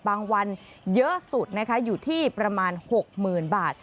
บางวันเยอะสุดอยู่ที่ประมาณ๖๐๐๐๐บาท